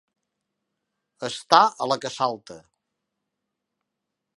Estar a la que salta.